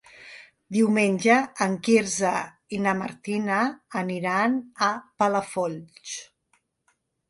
Diumenge en Quirze i na Martina aniran a Palafolls.